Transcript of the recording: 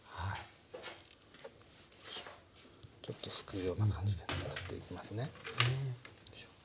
ちょっとすくうような感じで取っていきますね。